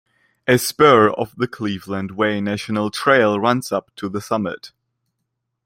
A spur of the Cleveland Way National Trail runs up to the summit.